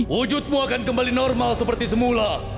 wujudmu akan kembali normal seperti semula